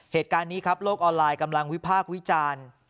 เหตุการณ์นี้ครับโลกออนไลน์กำลังวิพากษ์วิจารณ์